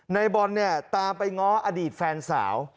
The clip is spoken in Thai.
ในบอลเนี่ยตามไปง้ออดีตแฟนสาว